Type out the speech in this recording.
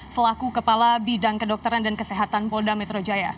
selaku kepala bidang kedokteran dan kesehatan polda metro jaya